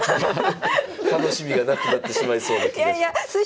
楽しみがなくなってしまいそうな気がします。